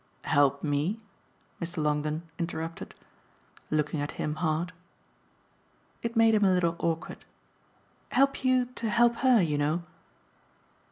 "Help me?" Mr. Longdon interrupted, looking at him hard. It made him a little awkward. "Help you to help her, you know